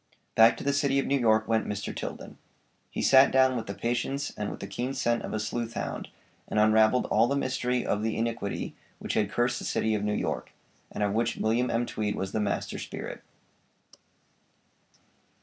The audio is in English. Back to the City of New York went Mr. Tilden. He sat down with the patience and with the keen scent of a sleuth hound, and unravelled all the mystery of the iniquity which had cursed the City of New York, and of which William M. Tweed was the master spirit.